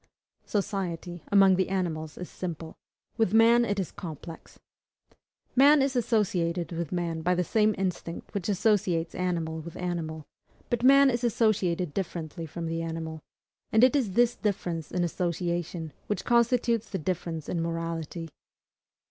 Society, among the animals, is SIMPLE; with man it is COMPLEX. Man is associated with man by the same instinct which associates animal with animal; but man is associated differently from the animal, and it is this difference in association which constitutes the difference in morality.